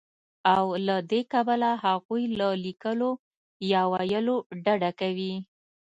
او له دې کبله هغوی له ليکلو يا ويلو ډډه کوي